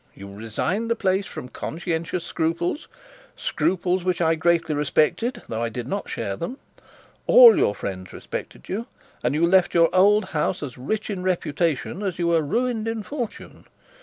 'You resigned the place from conscientious scruples, scruples which I greatly respected, though I did not share them. All your friends respected them, and you left your old house as rich in reputation as you were ruined in fortune.